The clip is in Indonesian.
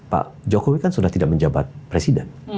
pak jokowi kan sudah tidak menjabat presiden